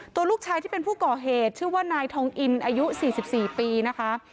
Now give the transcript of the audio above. ตัวลูกชายที่เป็นผู้ก่อเหตุชื่อว่านายทองอินอายุ๔๔ปีนะคะ